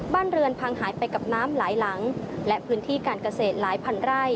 บ้านเรือนพังหายไปกับน้ำหลายหลังและพื้นที่การเกษตรหลายพันไร่